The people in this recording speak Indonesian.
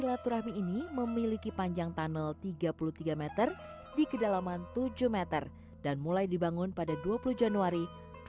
silaturahmi ini memiliki panjang tunnel tiga puluh tiga meter di kedalaman tujuh meter dan mulai dibangun pada dua puluh januari dua ribu dua puluh